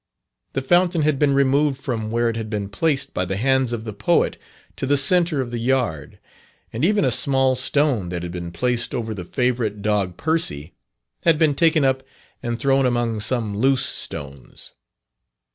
The fountain had been removed from where it had been placed by the hands of the Poet to the centre of the yard; and even a small stone that had been placed over the favourite dog "Percy," had been taken up and thrown among some loose stones.